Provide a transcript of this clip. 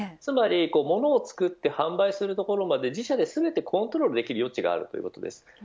物を作って販売するところまで自社でコントロールする余地があるということです。